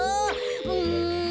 うん。